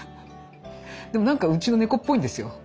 でもなんかうちの猫っぽいんですよ